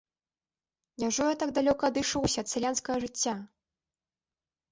Няўжо я так далёка адышоўся ад сялянскага жыцця?